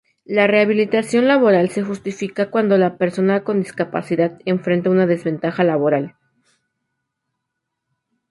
La rehabilitación laboral se justifica cuando la persona con discapacidad enfrenta una desventaja laboral.